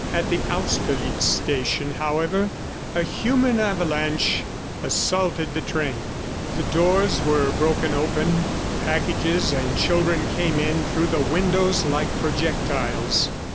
At the Austerlitz station, however, a human avalanche assaulted the train. The doors were broken open, packages and children came in through the windows like projectiles.